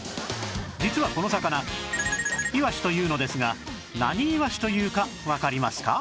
実はこの魚イワシというのですが何イワシというかわかりますか？